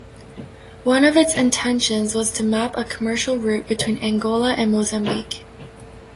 One of its intentions was to map a commercial route between Angola and Mozambique.